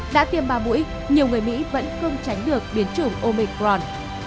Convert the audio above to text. đã tiêm ba mũi nhiều người mỹ vẫn không tránh được biến chủng omicron